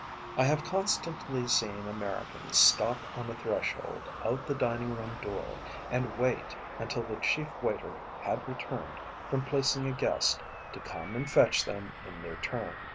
I have constantly seen Americans stop on the threshold of the dining room door, and wait until the chief waiter had returned from placing a guest to come and fetch them in their turn.